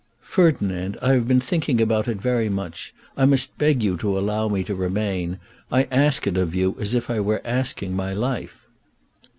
"Ferdinand, I have been thinking about it very much. I must beg you to allow me to remain. I ask it of you as if I were asking my life."